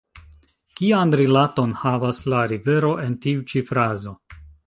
Kian rilaton havas la rivero en tiu ĉi frazo?